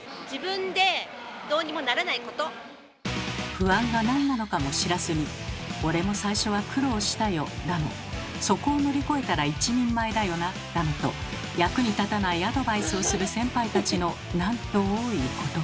不安が何なのかも知らずに「俺も最初は苦労したよ」だの「そこを乗り越えたら一人前だよな」だのと役に立たないアドバイスをする先輩たちのなんと多いことか。